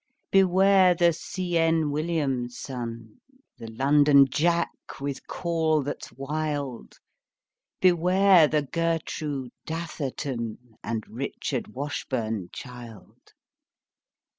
Beware the see enn william, son, The londonjack with call that's wild. Beware the gertroo datherton And richardwashburnchild.